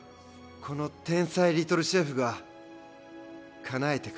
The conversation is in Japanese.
「この天才リトルシェフがかなえてくれる」